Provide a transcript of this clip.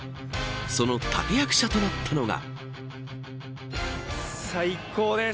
その立て役者となったのが。